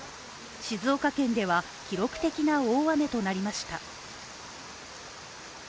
静岡県では、記録的な大雨となりました。